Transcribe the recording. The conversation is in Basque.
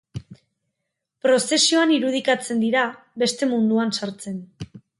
Prozesioan irudikatzen dira, beste munduan sartzen.